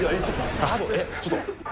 ちょっと。